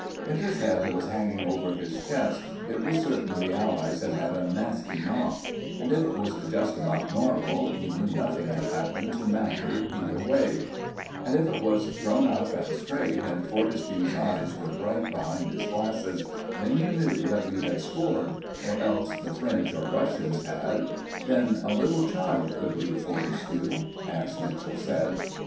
If his head was hanging over his chest, it was certain the Allies had had a nasty knock; and if it was just about normal, you knew nothing had happened to matter either way; and if it was thrown up and straight, and Fortescue's eyes were bright behind his glasses, then you knew that we had scored, or else the French or Russians had. Then a little child could lead Fortescue, as Mitchell said.